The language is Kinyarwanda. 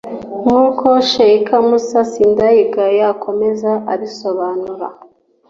” nk’uko Sheik Mussa Sindayigaya akomeza abisobanura